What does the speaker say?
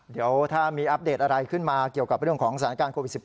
เดี๋ยวถ้ามีอัปเดตอะไรขึ้นมาเกี่ยวกับเรื่องของสถานการณ์โควิด๑๙